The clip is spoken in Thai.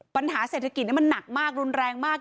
ปัญหาเศรษฐกิจมันหนักมากรุนแรงมาก